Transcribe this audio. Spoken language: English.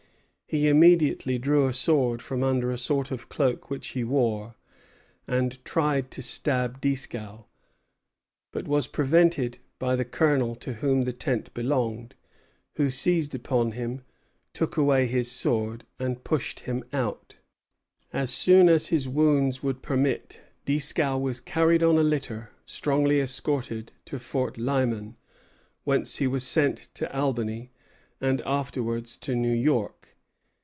He immediately drew a sword from under a sort of cloak which he wore, and tried to stab Dieskau; but was prevented by the Colonel to whom the tent belonged, who seized upon him, took away his sword, and pushed him out. As soon as his wounds would permit, Dieskau was carried on a litter, strongly escorted, to Fort Lyman, whence he was sent to Albany, and afterwards to New York.